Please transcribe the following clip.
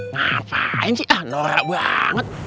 ngapain sih ah norak banget